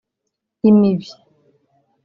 imibi